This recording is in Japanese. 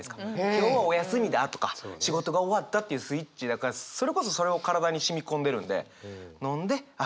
今日はお休みだとか仕事終わったっていうスイッチだからそれこそそれを体に染み込んでるんで飲んでああ